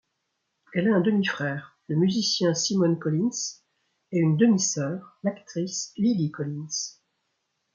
Elle a un demi-frère, le musicien Simon Collins et une demi-sœur, l'actrice Lily Collins.